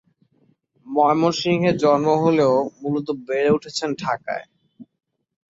ময়মনসিংহে জন্ম হলেও মূলত বেড়ে উঠেছেন ঢাকায়।